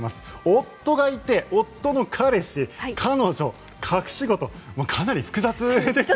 夫がいて夫の彼氏、彼女隠し子とかなり複雑ですよね。